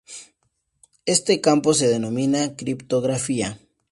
Este campo se denomina criptografía